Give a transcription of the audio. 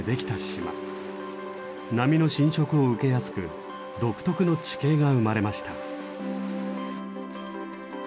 波の浸食を受けやすく独特の地形が生まれました。